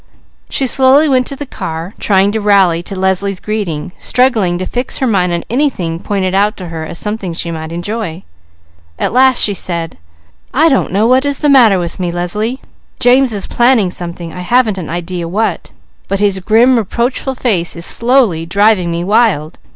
She slowly went to the car, trying to rally to Leslie's greeting, struggling to fix her mind on anything pointed out to her as something she might enjoy. At last she said: "I don't know what is the matter with me Leslie. James is planning something, I haven't an idea what; but his grim, reproachful face is slowly driving me wild.